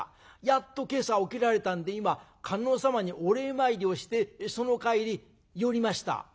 やっと今朝起きられたんで今観音様にお礼参りをしてその帰り寄りました」。